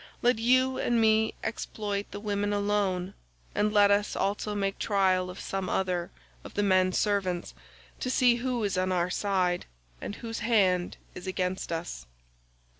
Let you and me exploit the women alone, and let us also make trial of some other of the men servants, to see who is on our side and whose hand is against us."